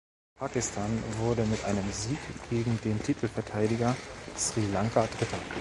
Pakistan wurde mit einem Sieg gegen den Titelverteidiger Sri Lanka Dritter.